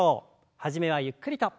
初めはゆっくりと。